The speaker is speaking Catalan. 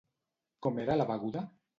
Com era la beguda?